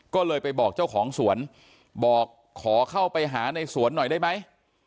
ก็เลยไปบอกเจ้าของสวนบอกขอเข้าไปหาในสวนหน่อยได้ไหม